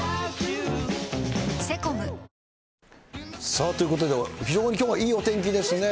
さあ、ということで非常にきょうはいいお天気ですね。